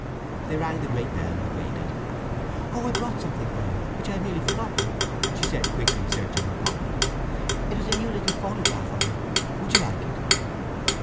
They rang the great bell and waited. "Oh, I bought something for you, which I had nearly forgotten," she said quickly, searching her pocket. "It is a new little photograph of me. Would you like it?"